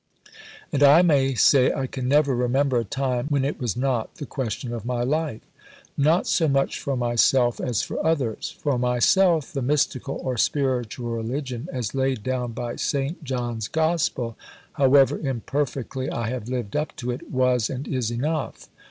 And I may say I can never remember a time when it was not the question of my life. Not so much for myself as for others. For myself the mystical or spiritual religion as laid down by St. John's Gospel, however imperfectly I have lived up to it, was and is enough.